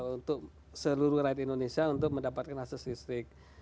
untuk seluruh rakyat indonesia untuk mendapatkan akses listrik